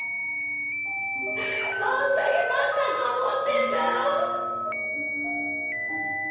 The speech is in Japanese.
どんだけ待ったと思ってんだよ！